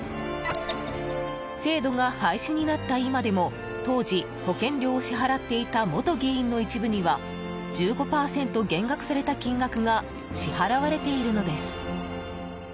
制度が廃止になった今でも当時、保険料を支払っていた元議員の一部には１５％減額された金額が支払われているのです。